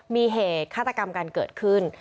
มีเหตุฆาตกรรมการเกิดขึ้น